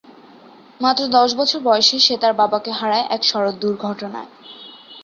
মাত্র দশ বছর বয়সে সে তার বাবাকে হারায় এক সড়ক দুর্ঘটনায়।